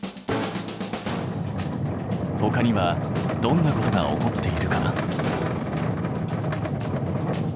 ほかにはどんなことが起こっているかな？